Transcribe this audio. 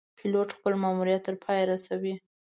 پیلوټ خپل ماموریت تر پایه رسوي.